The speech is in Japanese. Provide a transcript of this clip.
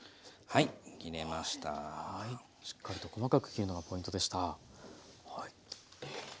はいしっかりと細かく切るのがポイントでした。